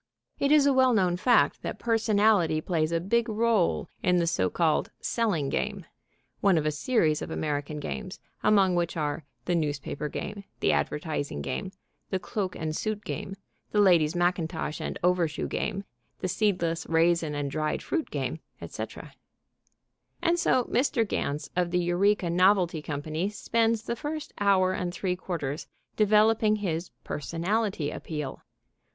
It is a well known fact that personality plays a big rôle in the so called "selling game" (one of a series of American games, among which are "the newspaper game," "the advertising game," "the cloak and suit game," "the ladies' mackintosh and over shoe game," "the seedless raisin and dried fruit game," etc.), and so Mr. Ganz of the Eureka Novelty Company spends the first hour and three quarters developing his "personality appeal."